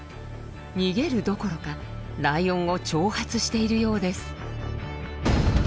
逃げるどころかライオンを挑発しているようです。